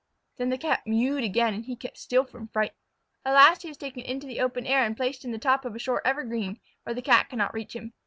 Then the Cat mewed again and he kept still from fright. At last he was taken into the open air and placed in the top of a short evergreen, where the Cat could not reach him.